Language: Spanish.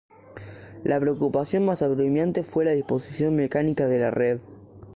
La preocupación más apremiante fue la disposición mecánica de la red.